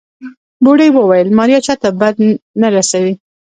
بوډۍ وويل ماريا چاته بد نه رسوي.